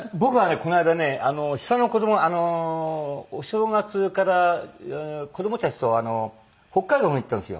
この間ね下の子どもお正月から子どもたちと北海道の方に行ったんですよ。